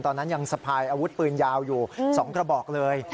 ตอนนั้นยังสะพายอาวุธปืนยาวอยู่๒กระบอกเลย